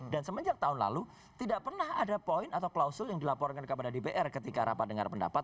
dan semenjak tahun lalu tidak pernah ada poin atau klausul yang dilaporkan kepada dpr ketika rapat dengar pendapat